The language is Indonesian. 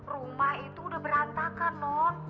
rumah itu udah berantakan non